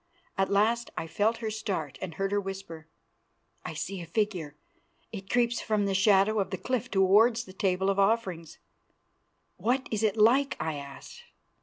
At last I felt her start and heard her whisper: "I see a figure. It creeps from the shadow of the cliff towards the Table of Offerings." "What is it like?" I asked.